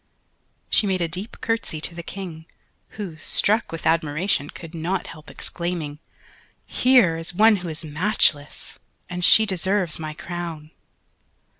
She made a deep curtsey to the King who, struck with admiration, could not help exclaiming, "Here is one who is matchless, and she deserves my crown."